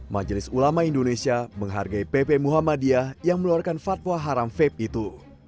majelis ulama indonesia menghargai pp muhammadiyah yang meluarkan fatwa haram veb itu